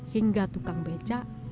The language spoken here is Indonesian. hingga tukang beca